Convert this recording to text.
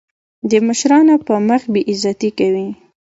د مشرانو په مخ بې عزتي کوي.